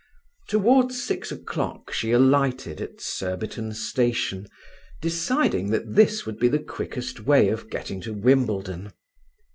Towards six o'clock she alighted, at Surbiton station, deciding that this would be the quickest way of getting to Wimbledon.